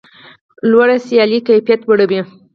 لوړه سیالي کیفیت لوړوي.